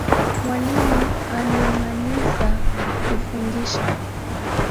Mwalimu amemaliza kufundisha